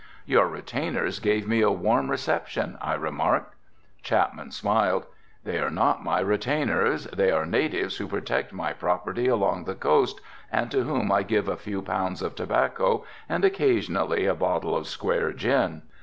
"Your retainers gave me a warm reception," I remarked. Chapman smiled. "They are not my retainers, they are natives who protect my property along the coast and to whom I give a few pounds of tobacco and occasionally a bottle of square gin."